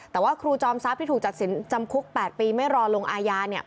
แต่ว่าครูจอมทรัพย์ที่ถูกตัดสินจำคุก๘ปีไม่รอลงอาญา